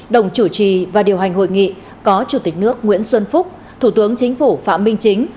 đồng chủ trì và điều hành hội nghị có chủ tịch nước nguyễn xuân phúc thủ tướng chính phủ phạm minh chính